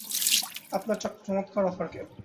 আপনার চমৎকার অফারকে।